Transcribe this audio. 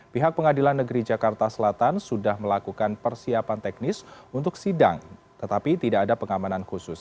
pihak pengadilan negeri jakarta selatan sudah melakukan persiapan teknis untuk sidang tetapi tidak ada pengamanan khusus